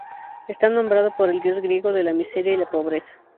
Está nombrado por el dios griego de la miseria y la pobreza.